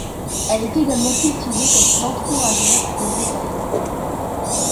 Elle est également cultivée comme plante fourragère pour le bétail.